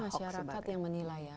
masyarakat yang menilai ya